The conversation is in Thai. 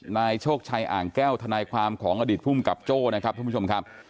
นายโชคชัยอ่างแก้วทนายความของอดีตภูมิกับโจ้นะครับท่านผู้ชมครับ